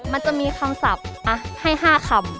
มันจะมีคำศัพท์ให้๕คำ